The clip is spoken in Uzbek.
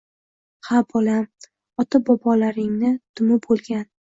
- Ha bolam, ota-bobolaringni dumi bo'lgan.